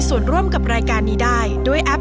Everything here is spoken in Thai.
คุณล่ะโหลดหรือยัง